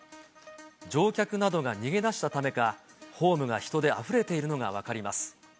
乗客などが逃げ出したためか、ホームが人であふれているのが分かります。